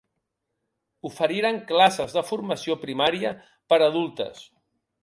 Oferiren classes de formació primària per adultes.